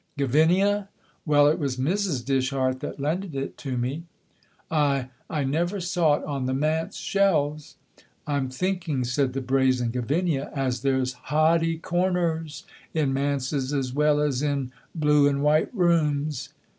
"Gavinia!" "Well, it was Mrs. Dishart that lended it to me." "I I never saw it on the manse shelves." "I'm thinking," said the brazen Gavinia, "as there's hoddy corners in manses as well as in blue and white rooms."